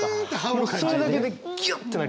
もうそれだけでギュってなります。